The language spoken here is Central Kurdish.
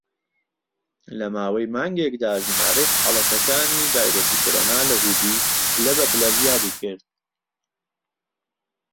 لە ماوەی مانگێکدا، ژمارەی حاڵەتەکانی ڤایرۆسی کۆرۆنا لە هوبی پلە بە پلە زیادی کرد.